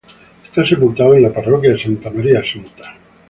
Está sepultado en la parroquia de Santa María Asunta.